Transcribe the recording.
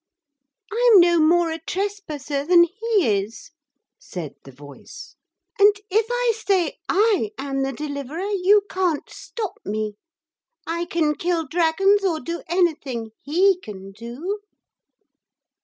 'I'm no more a trespasser than he is,' said the voice, 'and if I say I am the Deliverer, you can't stop me. I can kill dragons or do anything he can do.'